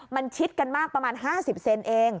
มันชิดกันมากประมาณ๕๐เซนเอง